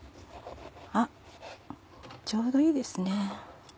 あっちょうどいいですね。